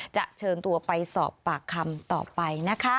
จะเชิญตัวไปสอบปากคำต่อไป